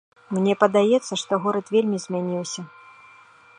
Мне падаецца, што горад вельмі змяніўся.